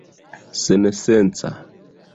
sensenca